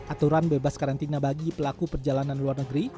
aturan bebas karantina bagi pelaku perjalanan luar negeri